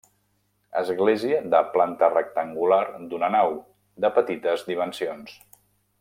Església de planta rectangular d'una nau, de petites dimensions.